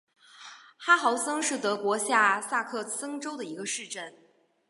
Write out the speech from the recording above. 哈豪森是德国下萨克森州的一个市镇。